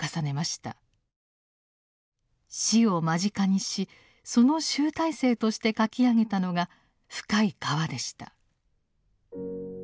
死を間近にしその集大成として書き上げたのが「深い河」でした。